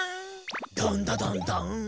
ダンダダンダン。